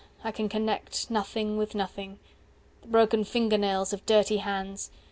300 I can connect Nothing with nothing. The broken finger nails of dirty hands.